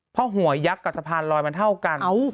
เพราะหัวยักษ์กับสะพานลอยมันเท่ากัน